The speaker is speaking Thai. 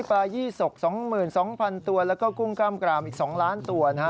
ปลายี่สก๒๒๐๐๐ตัวแล้วก็กุ้งกล้ามกรามอีก๒ล้านตัวนะฮะ